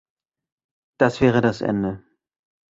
Das wäre das Ende!